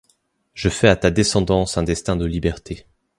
Je fais à ta descendance un destin de liberté !